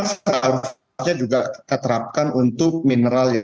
setelah itu juga kita terapkan untuk mineral